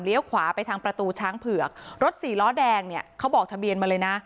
ขวาไปทางประตูช้างเผือกรถสี่ล้อแดงเนี่ยเขาบอกทะเบียนมาเลยนะ